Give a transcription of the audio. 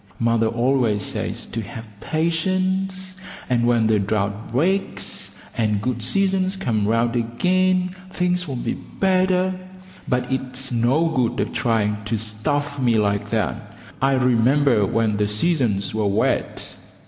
Mother always says to have patience, and when the drought breaks and good seasons come round again things will be better, but it's no good of trying to stuff me like that. I remember when the seasons were wet.